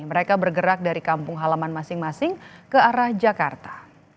mereka bergerak dari kampung halaman masing masing ke arah jakarta